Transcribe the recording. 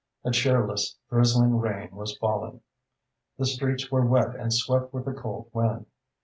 A cheerless, drizzling rain was falling. The streets were wet and swept with a cold wind.